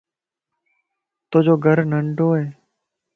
تو جو گھر ننڊوائي